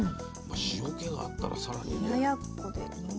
塩気があったらさらにね。